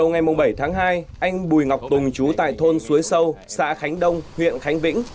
ngày bảy tháng hai anh bùi ngọc tùng chú tại thôn suối sâu xã khánh đông huyện khánh vĩnh